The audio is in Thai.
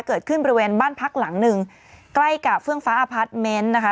เกิดขึ้นบริเวณบ้านพักหลังหนึ่งใกล้กับเฟื่องฟ้าอพาร์ทเมนต์นะคะ